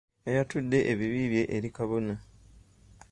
Yayatudde ebibi bye eri kabona.